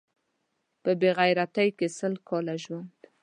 په بې غیرتۍ کې سل کاله ژوند